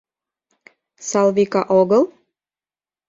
Салвика огыл?..